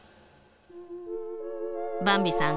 ばんびさん